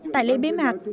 tại lễ bế mạc